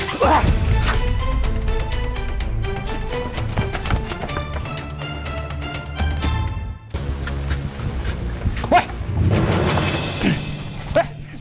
siapa lu lepasin